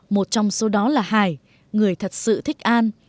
một trong số đó là hải người thật sự thích an